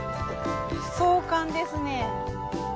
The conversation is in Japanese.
壮観ですね。